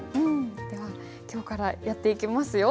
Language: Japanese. では今日からやっていきますよ。